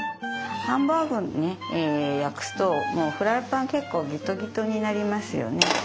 ハンバーグを焼くともうフライパン結構ギトギトになりますよね。